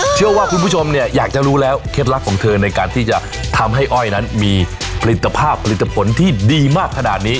เชื่อว่าคุณผู้ชมเนี่ยอยากจะรู้แล้วเคล็ดลับของเธอในการที่จะทำให้อ้อยนั้นมีผลิตภาพผลิตผลที่ดีมากขนาดนี้